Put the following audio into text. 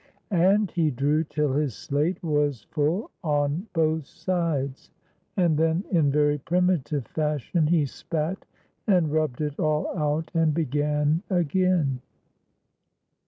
And he drew till his slate was full on both sides, and then in very primitive fashion he spat and rubbed it all out and began again.